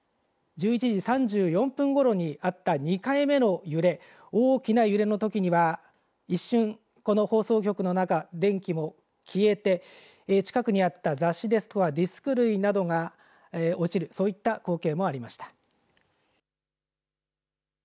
１１時３４分ごろにあった２回目の揺れ大きな揺れのときには一瞬、この放送局の中電気も消えて近くにあった雑誌ですとかディスプレーなどが落ちるそういった光景もありました。